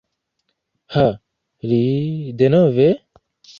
Ha, li... denove?!